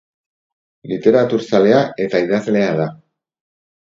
Literaturzalea eta idazlea da.